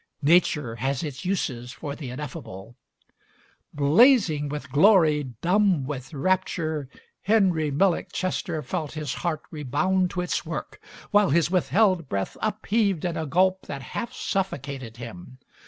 Nature has its uses for the ineffable. Blazing with glory, dumb with rapture, Henry Millick Chester felt his heart rebound to its work, Digitized by Google 152 MARY SMITH while his withheld breath upheaved in a gulp that half suffocated him.